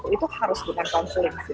itu harus bukan konseling